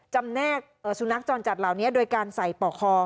แนกสุนัขจรจัดเหล่านี้โดยการใส่ปอกคอ